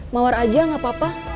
mawar aja gak apa apa